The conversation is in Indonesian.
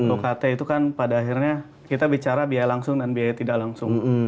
bkt itu kan pada akhirnya kita bicara biaya langsung dan biaya tidak langsung